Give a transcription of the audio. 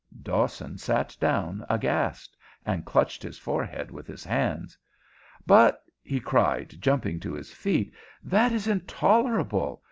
Dawson sat down aghast, and clutched his forehead with his hands. "But," he cried, jumping to his feet, "that is intolerable.